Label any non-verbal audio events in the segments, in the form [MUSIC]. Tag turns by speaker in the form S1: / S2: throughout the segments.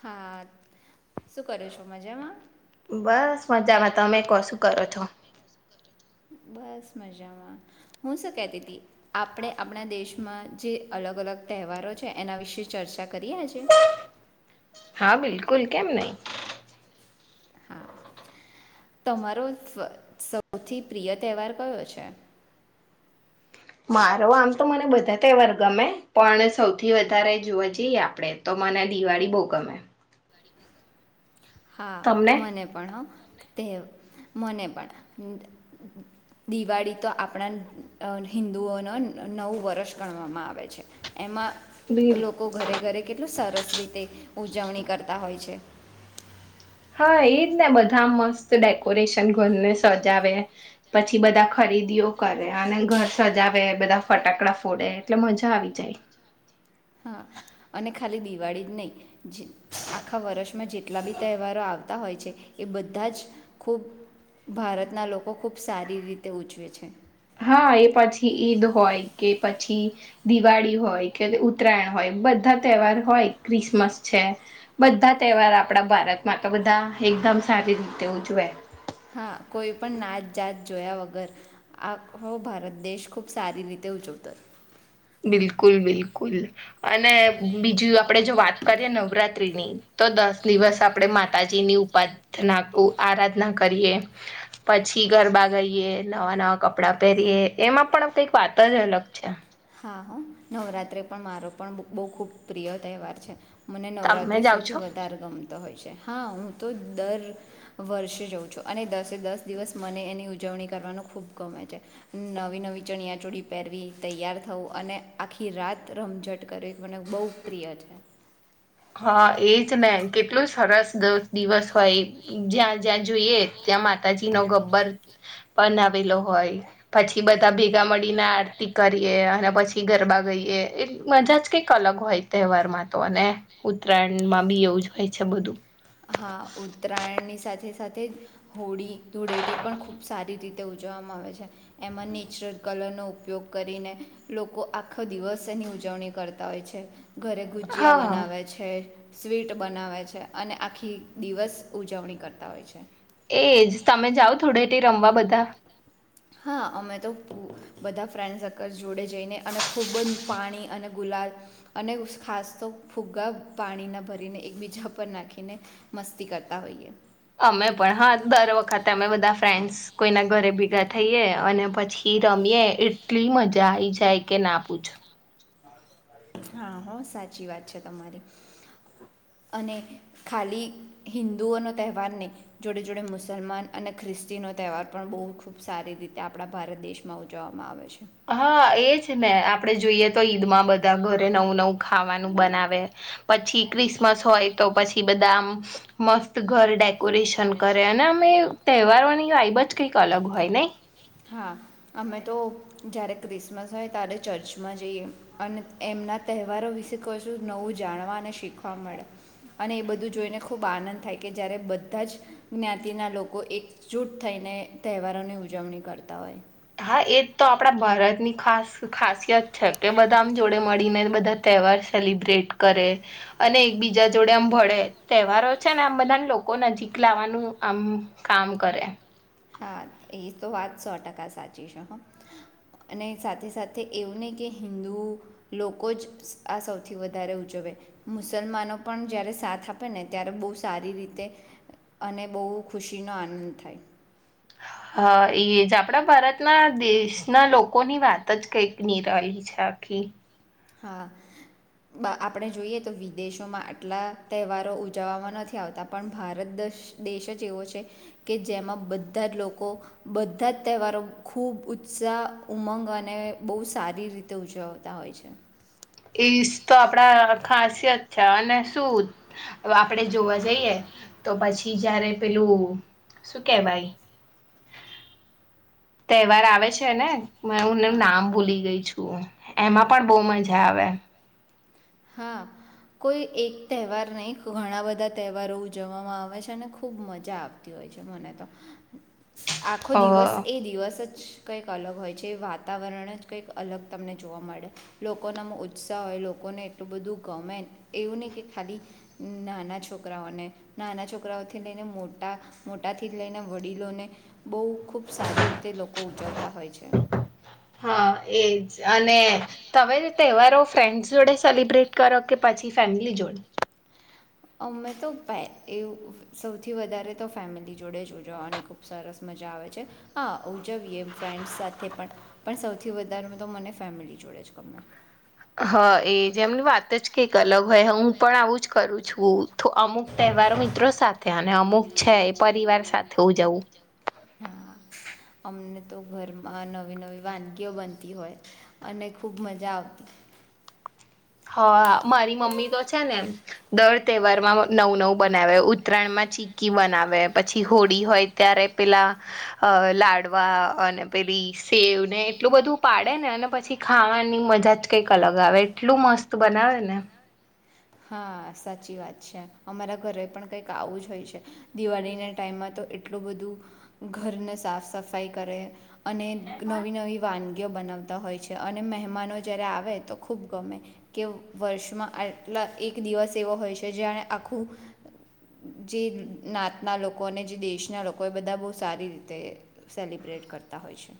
S1: હા [UNINTELLIGIBLE] શું કરું છું મજામાં.
S2: બસ મજામાં તમે કો શું કરો છો.
S1: બસ મજામાં હું શું કહેતી હતી આપણે આપણા દેશમાં જે અલગ અલગ તહેવારો છે એના વિશે ચર્ચા કરી આજે.
S2: હા બિલકુલ કેમ નહી.
S1: તમારો સૌથી પ્રિય તહેવાર કયો છે.
S2: મારો આમ તો મને બધા તહેવાર ગમે પણ સૌથી વધારે જોવા જઈએ આપણેે તો મને દિવાળી બહુ ગમે.
S1: હા મને પણ. તે મને પણ દિવાળી તો આપણા હિન્ંદુઓનો નવું વર્ષ ગણવામાં આવે છે. એમાં લોકો ઘરે ઘરે કેટલું ખૂબ સરસ રીતે ઉજવણી કરતા હોય છે.
S2: હા એજ ને બધા મસ્ત ડેકોરેશન ઘરને સજાવે પછી બધા ખરીદીઓ કરે અને ઘર સજાવે બધા ફટાકડા ફોડે એટલે મજા આવી જાય.
S1: અને ખાલી દિવાળી જ નહીં આખા વર્ષમાં જેટલા બી તહેવારો આવતા હોય છે એ બધા જ ખૂબ ભારતના લોકો ખૂબ સારી રીતે ઉજવે છે.
S2: હા એ પછી ઈદ હોય કે પછી દિવાળી હોય કે ઉત્તરાયણ હોય બધા તહેવાર હોય ક્રિસમસ છે બધા તહેવાર આપણા ભારતમાં તો બધા એકદમ સારી રીતે ઉજવે.
S1: હા કોઈ પણ નાત જાત જોયા વગર આખો ભારત દેશ ખૂબ સારી રીતે ઉજવતો.
S2: બિલકુલ બિલકુલ અને બીજું આપણે જો વાત કરીએ નવરા ત્રીની તો દસ દિવસ આપણેે માતાજીની ઉપાસના આરાધના કરીએ પછી ગરબા ગઈએ નવા નવા કપડા પહેરીએ એમાં પણ કંઈક વાત જ અલગ છે.
S1: હા હ નવરાત્રી પણ મારો પણ બહુ ખૂબ પ્રિય તહેવાર છે. મને નવરાત્રિ સૌથી વધારે ગમ તો હોય છે. હા હું તો દર વર્ષે જાઉં છું અને દસે દસ દિવસ મને એની ઉજવણી કરવાનું ખૂબ ગમે છે. નવી નવી ચણિયાચોળી પહેરવી તૈયાર થવું અને આખી રાત રમઝટ કરવી મને બહુ પ્રિય છે.
S2: હા એજ ને કેટલું સરસ દિવસ હોય જ્યાં જ્યાં જોઈએ. ત્યાં માતાજી નો ગબ્બર બનાવેલો હોય પછી બધા ભેગા મળીને આરતી કરીએ અને પછી ગરબા ગઈએ એ મજા જ કંઈક અલગ હોય તહેવારમાં તો અને ઉત્તરાયણમાં બી એવું જ હોય છે બધું.
S1: હા ઉત્તરાયણની સાથે સાથે જ હોળી ધૂળેટી પણ ખૂબ સારી રીતે ઉજવવામાં આવે છે. એમાં નેચરલ કલરનો ઉપ યોગ કરીને લોકો આખો દિવસ એની ઉજવણી કરતા હોય છે. ઘરે ગુજીયા બનાવે છે. સ્વીટ બનાવે છે. અને આખી દિવસ ઉજવણી કરતા હોય છે.
S2: એજ તમે જાઓ ધુળેટી રમવા બધા?
S1: હા અમે તો બધા ફ્રેન્ડ સર્કલ જોડે જઈને અને ખૂબ જ પાણી અને ગુલાલ અને ખાસ તો ફુગ્ગા પાણીના ભરીને એકબીજા પર નાખીને મસ્તી કરતા હોઈએ.
S2: અમે પણ હા દર વખતે અમે બધા ફ્રેન્ડ્સ કોઈના ઘરે ભેગા થઈએ અને પછી રમીએે એટલી મજા આવીઈ જાય કે ના પુ છો.
S1: હા હ સાચી વાત છે તમારી અને ખાલી હિન્દુ ઓનો તહેવારને જોડે જોડે મુસલમાન અને ખ્રિસ્તીનો તહેવાર પણ બો ખૂબ સારી રીતે આપણા ભારત દેશમાં ઉજવવામાં આવે છે.
S2: હા એ છે ને આપડે જોઈએ તો ઈદ માં બ ધા ઘરે નવું નવું ખાવાનું બનાવે પછી ક્રિસમસ હોય તો પછી બધા આમ મસ્ત ઘર ડેકોરેશન કરે અને અમે તહેવારોની વાઈબ જ કંઈક અલગ હોય નઈ.
S1: હા અમે તો જ્યારે ક્રિસમસ હોય ત્યારે ચર્ચમાં જઈએ અને એમના તહેવારો વિશે કશું નવું જાણવા અને શીખવા મળે અને એ બધું જોઈને ખૂબ આનંદ થાય કે જ્યારે બધા જ જ્ઞાતિના લોકો એકજૂટ થઈને તહેવારોની ઉજવણી કરતા હોય
S2: હા એજ તો આપણા ભારતની ખાસ ખાસિયત છે કે બધા આમ જોડે મળીને બધા તહેવાર સેલિબ્રેટ કરે અને એકબીજા જોડે આમ ભળે તહેવારો છે ને આમ બધા લોકો નજીક લાવવાનું આમ કામ કરે.
S1: હા એ તો વાત સો ટકા સાચી છે હ અને સાથે સાથે એવું નહીં કે હિંદુ લોકો જ આ સૌથી વધારે ઉજવે મુસલમાનો પણ જ્યારે સાથ આપે ને ત્યારે બહુ સારી રીતે અને બહુ ખુશીનો આનંદ થાય.
S2: હા એ જ આપણા ભારતના દેશના લોકોની વાત જ કંઈક નીરાલી છે આખી.
S1: હા આપણે જોઈએ તો વિદેશોમાં આટલા તહેવારો ઉજવવામાં નથી આવતા પણ ભારત દ દેશ જ એવો છે કે જેમાં બધા જ લોકો બધા જ તહેવારો ખૂબ ઉત્સાહ ઉમંગ અને બહુ સારી રીતે ઉજવતા હોય છે.
S2: ઈસ તો આપડા ખાસિયત છે અને શું આપણેે જોવા જઈએ તો પછી જયારે પેલું શું કેવાય તહેવાર આવે છે ને મે હુંને નામ ભૂલી ગઈ છું. એમાં પણ બહ મજા આવે
S1: હા કોઈ એક તહેવાર નહી ઘણા બધા તહેવારો ઉજવવામાં આવે છે અને ખૂબ મજા આવતી હોય છે મને તો આખો દિવસ એ દિવસ જ કંઈક અલગ હોય છે વાતાવરણ જ કંઈક અલગ તમને જોવા મળે લોકોના ઉત્સાહ હોય લોકોને એટલું બધું ગમે એવું નહીં કે ખાલી નાના છોકરાઓને નાના છોકરાઓથી લઈને મોટા મોટાથી લઈને વડીલોને બહુ ખૂબ સારી રીતે લોકો ઉજવતા હોય છે
S2: તમે તહેવારો ફ્રેન્ડસ જોડે સેલિબ્રેટ કરો કે પછી ફેમિલી જોડો
S1: અમે તો પ એવ સૌથી વધારે તો ફેમિલી જોડે જ ઉજવવા અને ખૂબ સરસ મજા આવે છે હા ઉજવીએમ ફ્રેન્ડ્સ સાથે પણ પણ સૌથી વધારે તો મને ફેમિલી જોડે જ ગમે
S2: હા એ જેમની વાત જ કક અલગ હોય હું પણ આવું જ કરું છું તો અમુક તહેવારો મિત્રો સાથે અને અમુક છે એ પરિવાર સાથે ઉજવું
S1: હા અમને તો ઘરમાં નવી નવી વાનગીઓ બનતી હોય અને ખૂબ મજા આવતી
S2: હા મારી મમ્મી તો છે ને દર તહેવારમાં નવું નવું બનાવે ઉત્તરાયણમાં ચીકી બનાવે પછી હોળી હોય ત્યારે પેલા લાડવા અને પેલી સેવ ને એટલું બધું પાડે ને અને પછી ખાવાની મજા જ કંઈક અલગ આવે કેટલું મસ્ત બનાવે ને
S1: હા સાચી વાત છે અમારા ઘરે પણ કંઈક આવું જ હોય છે દિવાળીના ટાઈમમાં તો એટલું બધું ઘરને સાફ સફાઈ કરે અને નવી નવી વાનગી બનાવતા હોય છે અને મહેમાનો જ્યારે આવે તો ખૂબ ગમે કે વર્ષમાં આ એટ એક દિવસ એવો હોય છે જેણે આખું જે નાતના લોકો અને જે દેશના લોકો એ બધા બહુ સારી રીતે સેલિબ્રેટ કરતા હોય છે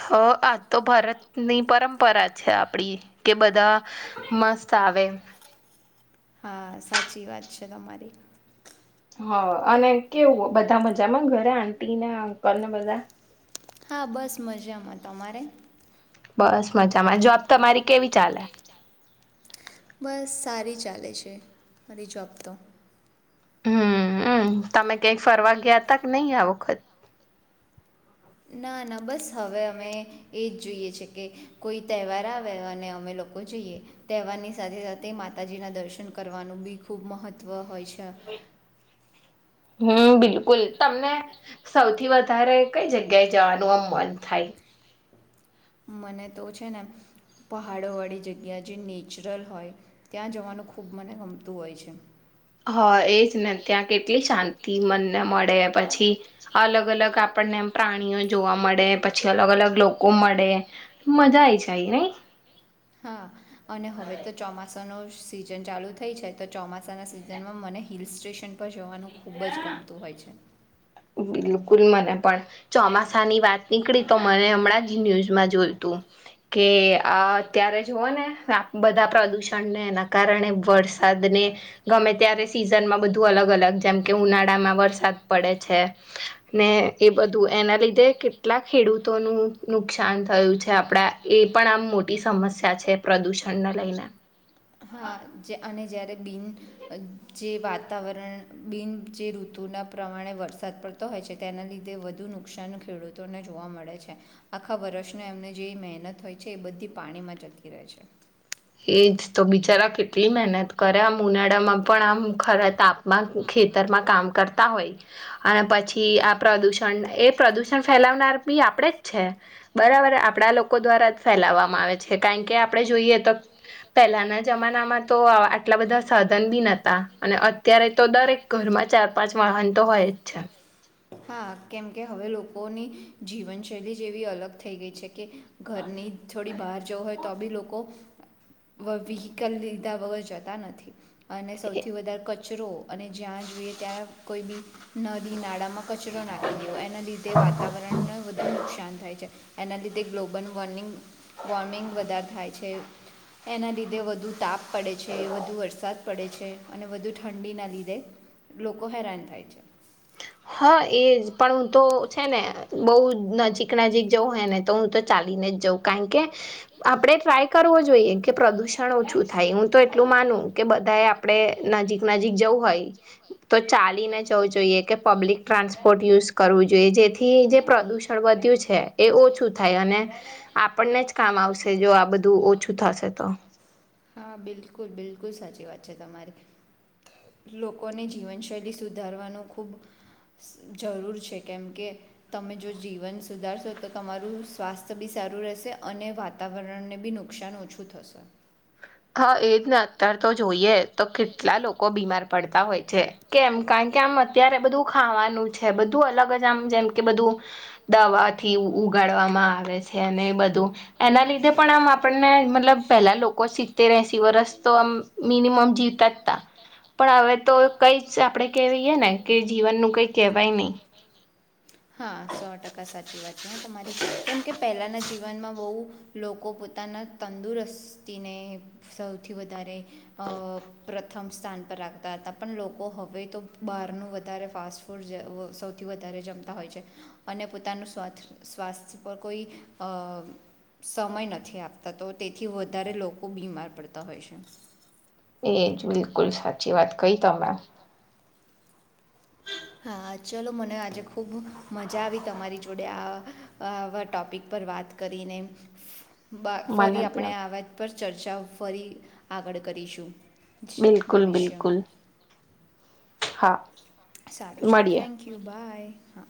S2: હ આજ તો ભારતની પરંપરા છે આપડી કે બધા મસ્ત આવે
S1: હા સાચી વાત છે તમારી
S2: હ અને કેવું બધા મજામાં ઘરે આંટી ને અંકલને બધા
S1: હા બસ મજામાં તમારે
S2: બસ મજામાં જોબ તમારી કેવી ચાલે
S1: બસ સારી ચાલે છે મારી જોબ તો
S2: હમ્મ તમે કઈક ફરવા ગયા તા કે નહી આ વખત
S1: ના ના બસ હવે અમે એ જ જોઈએ છે કે કોઈ તહેવાર આવે અને અમે લોકો જઈએ તહેવારની સાથે સાથે માતાજીના દર્શન કરવાનું બી ખૂબ મહત્ત્વ હોય છે
S2: હમ્મ બિલકુલ તમને સૌથી વધારે કઈ જગ્યાએ જવાનું આમ મન થાય
S1: મને તો છે ને પહાડોવાળી જગ્યા જે નેચરલ હોય ત્યાં જવાનું ખૂબ મને ગમતું હોય છે
S2: હા એજ ને ત્યાં કેટલી શાતી મનને મળે પછી અલગ અલગ આપણને એમ પ્રાણીઓ જોવા મળે પછી અલગ અલગ લોકો મળે મજા આઈ જાય ની
S1: હા અને હવે તો ચોમાસાનું સિઝન ચાલુ થઈ છે તો ચોમાસાના સિઝનમાં મને હિલ સ્ટેશન પર જવાનું ખૂબ જ ગમતું હોય છે
S2: બિલકુલ મને પણ ચોમાસાની વાત નીકળી તો મને હમણાં જ ન્યૂઝમાં જોયું તું કે અત્યારે જોઓ ને બધા પ્રદુષણને એના કારણે વરસાદને ગમે ત્યારે સિઝનમાં બધું અલગ અલગ જેમ કે ઉનાળામાં વરસાદ પડે છે છે ને એ બધું એના લીધે કેટલા ખેડૂતોનું નુકસાન થયું છે આપડા એ પણ આમ મોટી સમસ્યા છે પ્રદુષણને લઈને
S1: અને જ્યારે બિન જે વાતાવરણ બિન જે ઋતુના પ્રમાણે વરસાદ પડતો હોય છે તેના લીધે વધુ નુકસાન ખેડૂતોને જોવા મળે છે આખા વર્ષનો એમને જે મહેનત હોય છે એ બધી પાણીમાં જતી રહે છે
S2: એજ તો બિચારા કેટલી મહેનત કરે આ ઉનાળામાં પણ આમ ખરા તાપમાં ખેતરમાં કામ કરતા હોય અને પછી આ પ્રદુષણ એ પ્રદુષણ ફેલાવનાર બી આપણેે જ છે બરાબર આપણા લોકો દ્વારા જ ફેલાવવામાં આવે છે કારણ કે આપણે જોઈએ તો પહેલાના જમાનામાં તો આટલા બધા સાધન બીનહ હતા અને અત્યારે તો દરેક ઘરમાં ચાર પાંચ વાહન તો હોય જ છે
S1: કેમ કે હવે લોકોની જીવનશૈલી જેવી અલગ થઈ ગઈ છે કે ઘરની થોડી બહાર જવું હોય તો બી લોકો વ વહીકલ ત્યા વગર જતા નથી અને સૌથી વધારે કચ કચરો અને જ્યાં જોઈએ ત્યાં કોઈ બી નદી નાળામાં. કચરો ના. રાખી દેવ એના લીધે વાતાવરણને વધુ નુકસાન થાય છે એના લીધે ગ્લોબલ વોર્મિંગ વોર્મિંગ વધારે થાય છે. એના લીધે વધુ તાપ. પડે છે વધુ વરસાદ. પડે છે અને વધુ ઠંડીના લીધે લોકો હેરાન થાય છે.
S2: હા એજ પણ હું તો છે ને બહુ નજીક નજીક જવુ હોય ને તો હું તો ચાલીને જ જઉં કારણ કે આપણે ટ્રાય કરવો જોઈએ કે પ્રદુષણ ઓછું થાય હું તો એટલું માનું કે બધાએ આપણે નજીક નજીક જવું હોય તો ચાલીને જવું જોઈએ. કે પબ્લિક ટ્રાન્સપોર્ટ યુઝ કરવું જોઈએ જેથી જે પ્રદુષણ વધ્યું છે એ ઓછું થાય અને આપણને જ કામ આવશે જો આ બધું ઓછું થશે તો.
S1: હા બિલકુલ બિલકુલ. બિલકુલ સાચી વાત છે તમારી લોકોને જીવનશૈલી સુધારવાનું ખૂબ જરૂર છે કેમકે તમે જો જીવન સુધારશો તો તમારું સ્વાસ્થ્ય બી સારું રહેશે અને વાતાવરણને બી નુકસાન ઓછું થશે.
S2: હા એજ ને અત્યારે તો જોઈએ તો કેટલા લોકો બીમાર પડતા હોય છે કેમ કારણ કે આમ અત્યારે બધું ખાવાનું છે બધું અલગ જ આમ જેમ કે બધું દવાથી ઉગાડવામાં આવે છે અને બધું એના લીધે પણ આમ આપણને મતલબ પેલા લોકો. તેર એશી વરસ તો આમ મિનિમમ જીવતા ત તા પણ હવે તો કઈ આપણેે કવીય ને કે જીવનનું કઈ કહેવાય નહી.
S1: હા સો ટકા સાચી વાત છે. તમારી કેમ કે પહેલાના જી. જચવનમાં બહુ લોકો પોતાના તંદુરસ્તીને સૌથી વધારે. અ [UNINTELLIGIBLE] પ્રથમ સ્થાન પર રાખતા હતા પણ લોકો હવે તો બહારનું વધારે ફાસ્ટ ફૂડ સૌથી વધારે જમતા હોય છે. અને પોતાનું સ્વા સ્વાસ્થ્ય પર કોઈ સમય નથી આપતા તો તેથી વધારે લોકો બીમાર પડતા હોય છે.
S2: એજ બિલકુલ સાચી વાત કઈ તમે.
S1: હા ચલો મને આજે ખૂબ મજા આવી તમારી જોડે આવા ટોપિક પર વાત કરીને. બા ફરી આપણે અવાજ પર. ચર્ચા ફરી આગળ કરીશું.
S2: બિલકુલ બિલકુલ.
S1: સારું ચાલ થેન્કયુ બાય હા.